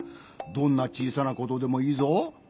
どんなちいさなことでもいいぞ。